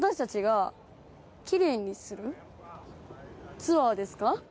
ツアーですか？